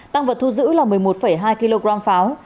tăng vật thu giữ là một mươi một hai kg pháo